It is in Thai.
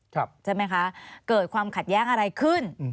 ใช่ไหมคะเกิดความขัดแย้งอะไรขึ้น